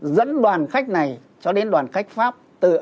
dẫn đoàn khách này cho đến đoàn khách pháp